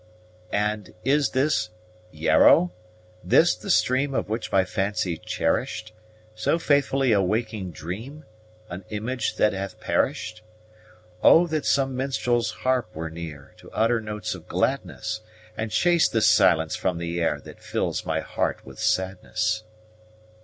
And is this Yarrow? this the stream Of which my fancy cherish'd So faithfully a waking dream? An image that hath perish'd? Oh that some minstrel's harp were near, To utter notes of gladness, And chase this silence from the air, That fills my heart with sadness.